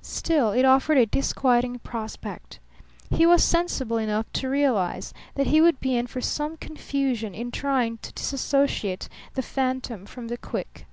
Still, it offered a disquieting prospect. He was sensible enough to realize that he would be in for some confusion in trying to disassociate the phantom from the quick.